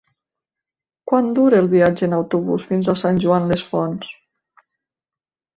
Quant dura el viatge en autobús fins a Sant Joan les Fonts?